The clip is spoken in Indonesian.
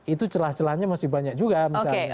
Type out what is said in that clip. itu celah celahnya masih banyak juga misalnya